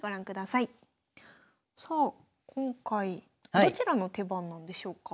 さあ今回どちらの手番なんでしょうか？